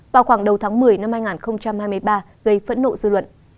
vào khoảng đầu tháng một mươi năm hai nghìn hai mươi ba gây phẫn nộ dư luận